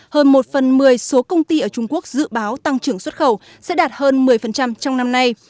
hơn một phần một mươi số công ty ở trung quốc dự báo tăng trưởng xuất khẩu sẽ đạt hơn một mươi trong năm nay